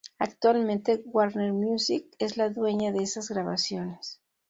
Actualmente Warner Music es la dueña de esas grabaciones.